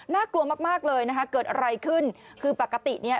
กลัวมากมากเลยนะคะเกิดอะไรขึ้นคือปกติเนี่ย